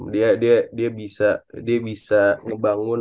dia dia dia bisa dia bisa ngebangun